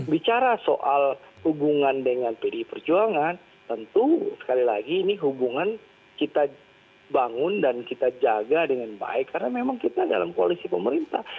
bicara soal hubungan dengan pdi perjuangan tentu sekali lagi ini hubungan kita bangun dan kita jaga dengan baik karena memang kita dalam koalisi pemerintah